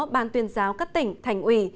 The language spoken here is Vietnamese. ban tuyên giáo các tỉnh thành ủy